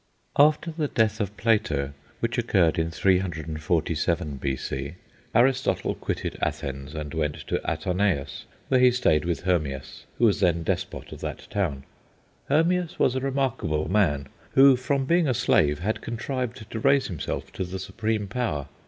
After the death of Plato, which occurred in 347 B.C., Aristotle quitted Athens and went to Atarneus, where he stayed with Hermias, who was then despot of that town. Hermias was a remarkable man, who, from being a slave, had contrived to raise himself to the supreme power.